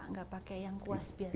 enggak pakai yang kuas biasanya